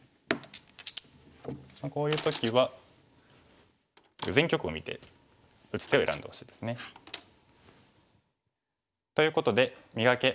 こういう時は全局を見て打つ手を選んでほしいですね。ということで「磨け！